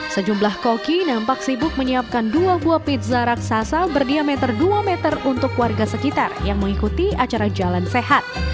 sejumlah koki nampak sibuk menyiapkan dua buah pizza raksasa berdiameter dua meter untuk warga sekitar yang mengikuti acara jalan sehat